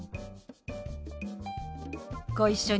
ご一緒に。